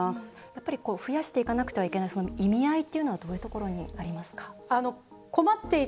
やっぱり増やしていかなくてはいけない意味合いっていうのはどういうところにありますか？